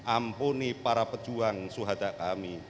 ampuni para pejuang suhada kami